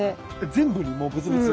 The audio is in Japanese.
全部にもうブツブツ？